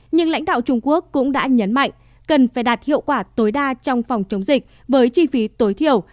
nhưng lãnh đạo trung quốc cũng đã nhấn mạnh cần phải đạt hiệu quả tối đa trong phòng chống dịch với chi phí tối thiểu